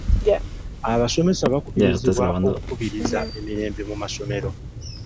Abasomesa bakubirizibwa okukubiriza emirembe mu masomero.